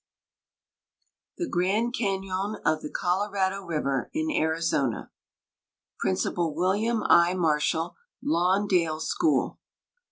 THE GRAND CAÑON OF THE COLORADO RIVER IN ARIZONA. PRIN. WM. I. MARSHALL, Lawndale School.